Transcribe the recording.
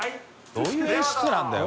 どういう演出なんだよ